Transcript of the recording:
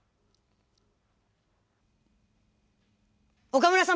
岡村さん